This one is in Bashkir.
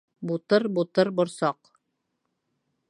Бутыр-бутыр борсаҡ...